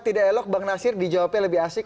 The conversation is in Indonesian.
tidak elok bang nasir dijawabnya lebih asik